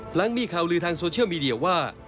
หลังมีข่าวลือทางโซเชียลมีเดียว่า